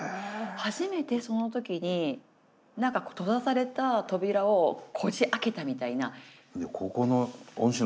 初めてその時に何か閉ざされた扉をこじ開けたみたいな。